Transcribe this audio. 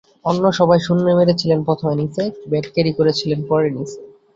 অন্য সবাই শূন্য মেরেছিলেন প্রথম ইনিংসে, ব্যাট ক্যারি করেছিলেন পরের ইনিংসে।